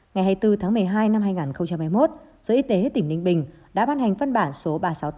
ngày hai mươi bốn tháng một mươi hai năm hai nghìn một mươi một giới y tế tỉnh ninh bình đã bán hành phân bản số ba trăm sáu mươi tám